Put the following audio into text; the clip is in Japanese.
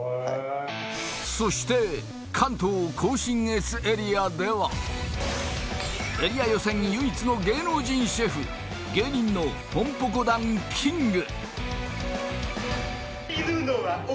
そして関東甲信越エリアではエリア予選唯一の芸能人シェフ芸人のポンポコ団キングいるのは俺！